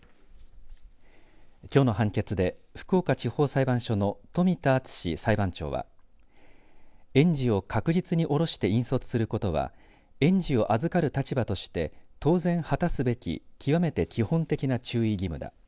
きょうの判決で福岡地方裁判所の冨田敦史裁判長は園児を確実に降ろして引率することは園児を預かる立場として当然、果たすべき極めて基本的な注意義務だ。